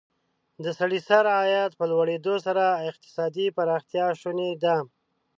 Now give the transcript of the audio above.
د سړي سر عاید په لوړېدو سره اقتصادي پرمختیا شونې ده.